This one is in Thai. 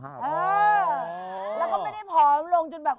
เออแล้วก็ไม่ได้ผอมลงจนแบบ